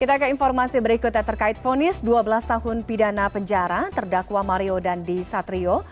kita ke informasi berikutnya terkait fonis dua belas tahun pidana penjara terdakwa mario dandi satrio